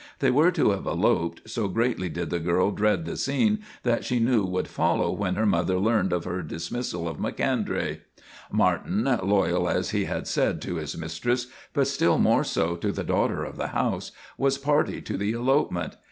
They were to have eloped, so greatly did the girl dread the scene that she knew would follow when her mother learned of her dismissal of Macondray. Martin, loyal, as he had said, to his mistress, but still more so to the daughter of the house, was party to the elopement.